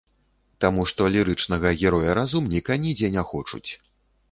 Таму што лірычнага героя-разумніка нідзе не хочуць.